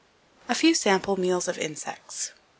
A few sample meals of insects.